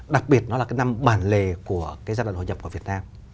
đặc biệt nó là cái năm bản lề của cái giai đoạn hòa nhập của việt nam